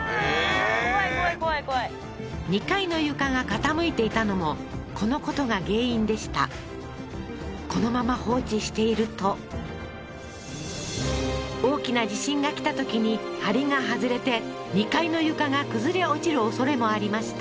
怖い怖い怖い怖い２階の床が傾いていたのもこのことが原因でしたこのまま放置していると大きな地震が来たときに梁が外れて２階の床が崩れ落ちる恐れもありました